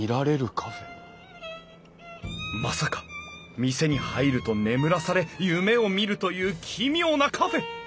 まさか店に入ると眠らされ夢を見るという奇妙なカフェ！？